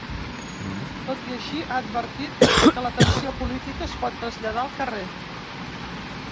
Tot i així, ha advertit que la tensió política es pot traslladar al carrer.